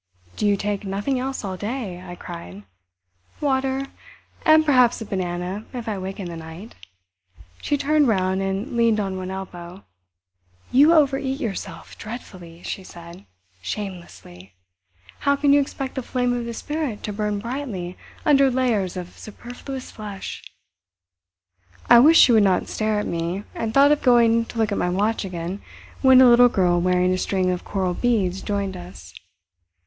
"Do you take nothing else all day?" I cried. "Water. And perhaps a banana if I wake in the night." She turned round and leaned on one elbow. "You over eat yourself dreadfully," she said; "shamelessly! How can you expect the Flame of the Spirit to burn brightly under layers of superfluous flesh?" I wished she would not stare at me, and thought of going to look at my watch again when a little girl wearing a string of coral beads joined us.